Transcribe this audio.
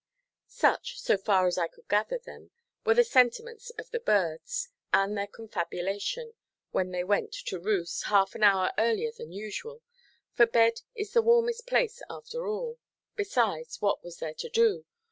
Such, so far as I could gather them, were the sentiments of the birds, and their confabulation, when they went to roost, half an hour earlier than usual—for bed is the warmest place after all; besides, what was there to do?